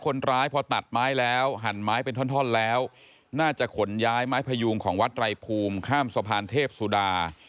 คนร้ายพอตัดไม้แล้วหั่นไม้เป็นท่อนแล้วน่าจะขนย้ายไม้พยูงของวัดไรภูมิข้ามสะพานเทพสุดา